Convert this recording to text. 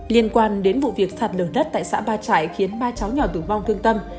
liên quan đến vụ việc sạt lửa đất tại xã ba trại khiến ba cháu nhỏ tử vong thương tâm